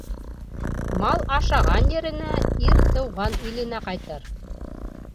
Мал ашаған еренә, ир тыуған иленә ҡайтыр.